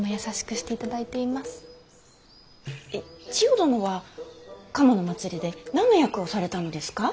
えっ千世殿は賀茂の祭りで何の役をされたのですか。